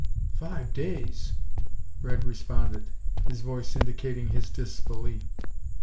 "Five days?" Red responded, his voice indicating his disbelief.